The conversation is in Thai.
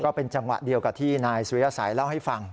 เป็นจังหวะเดียวกับที่นายสุริยสัยเล่าให้ฟัง